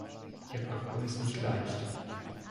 Ihr Parcours ist nicht leicht.